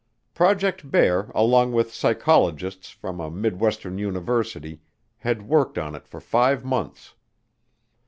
Project Bear, along with psychologists from a midwestern university, had worked on it for five months.